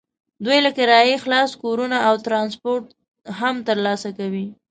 دوی له کرایې خلاص کورونه او ټرانسپورټ هم ترلاسه کوي.